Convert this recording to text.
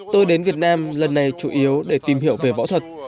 tôi đến việt nam lần này chủ yếu để tìm hiểu về võ thuật